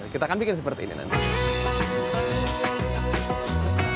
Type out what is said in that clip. kita akan bikin seperti ini nanti